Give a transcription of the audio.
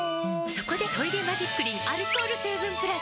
そこで「トイレマジックリン」アルコール成分プラス！